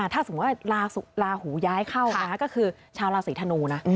ถ้าสมมุติว่าลาหูย้ายเข้าก็คือชาวราศีธนูนะ